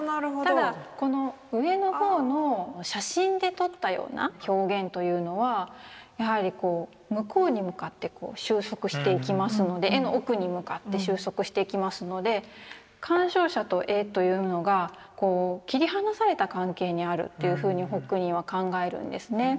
ただこの上の方の写真で撮ったような表現というのはやはりこう向こうに向かってこう集束していきますので絵の奥に向かって集束していきますので鑑賞者と絵というのがこう切り離された関係にあるというふうにホックニーは考えるんですね。